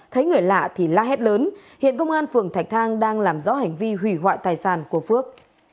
thấy người lạ thì la hét lớn hiện công an phường thạch thang đang làm rõ hành vi hủy hoại tài sản của phước